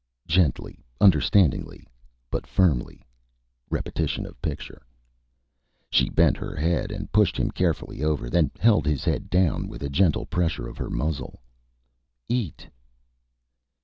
(Gently, understandingly, but firmly. [Repetition of picture.])_ She bent her head and pushed him carefully over, then held his head down with a gentle pressure of her muzzle. _Eat.